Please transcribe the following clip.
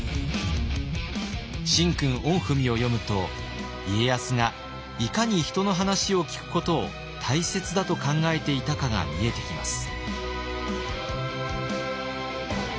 「神君御文」を読むと家康がいかに人の話を聞くことを大切だと考えていたかが見えてきます。